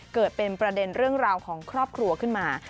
เกิดเป็นประเด็นเรื่องราวของครอบครัวขึ้นมา